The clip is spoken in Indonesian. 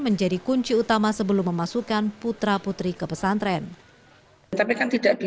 menjadi kunci utama sebelum memasukkan putra putri ke pesantren